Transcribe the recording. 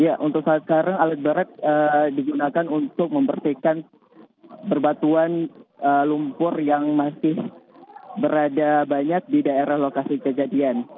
ya untuk saat sekarang alat berat digunakan untuk membersihkan perbatuan lumpur yang masih berada banyak di daerah lokasi kejadian